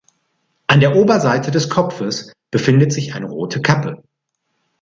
An der Oberseite des Kopfes befindet sich eine rote Kappe.